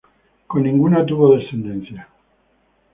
Con ninguna tuvo descendencia.